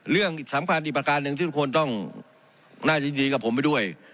เรื่องสำคัญอีกประการหนึ่งที่ทุกคนต้องน่ายินดีกับผมไปด้วย